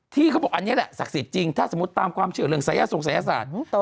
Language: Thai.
เขาบอกอันนี้แหละศักดิ์สิทธิ์จริงถ้าสมมุติตามความเชื่อเรื่องศัยส่งศัยศาสตร์